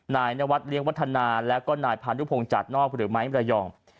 นายนวัดเลี้ยงวัฒนาแล้วก็นายพานุพงศาสนอกหรือไม้มรยอง